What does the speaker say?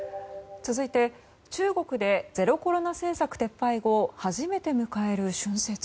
続いて中国でゼロコロナ政策撤廃後初めて迎える春節。